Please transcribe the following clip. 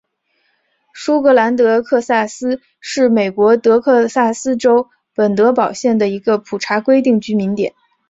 舒格兰德克萨斯是美国德克萨斯州本德堡县的一个普查规定居民点。